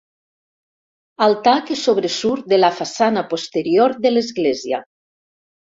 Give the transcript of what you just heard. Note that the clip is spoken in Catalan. Altar que sobresurt de la façana posterior de l'església.